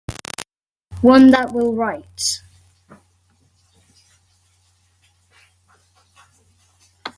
One that will write.